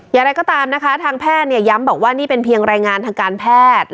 อย่างไรก็ตามนะคะทางแพทย์เนี่ยย้ำบอกว่านี่เป็นเพียงรายงานทางการแพทย์